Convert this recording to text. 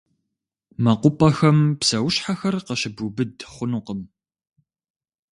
МэкъупӀэхэм псэущхьэхэр къыщыбубыд хъунукъым.